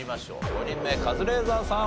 ５人目カズレーザーさん